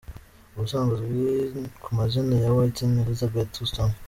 Ubusanzwe azwi ku mazina ya Whitney Elizabeth Houston.